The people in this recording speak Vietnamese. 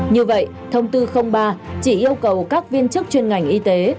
như vậy thông tư ba chỉ yêu cầu các viên chức chuyên ngành y tế